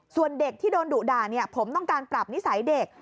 ส่วนเด็กที่โดนดุด่าเนี่ยผมต้องการปรับนิสัยเด็ก